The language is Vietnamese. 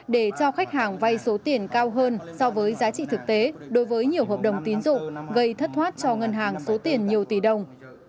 để cho khách hàng vay số tiền cao hơn so với giá trị thực tế đối với nhiều hợp đồng tín dụng gây thất thoát cho ngân hàng số tiền nhiều tỷ đồng